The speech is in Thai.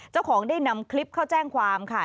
เจ้าของได้นำคลิปเข้าแจ้งความค่ะ